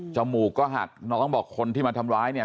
มูกก็หักน้องบอกคนที่มาทำร้ายเนี่ย